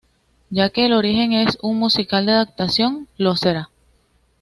Ya que el original es un musical, la adaptación no lo será.